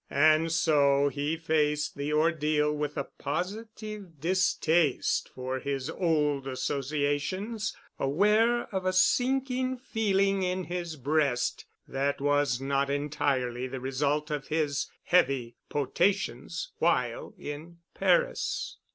And so he faced the ordeal with a positive distaste for his old associations, aware of a sinking feeling in his breast that was not entirely the result of his heavy potations while in Paris.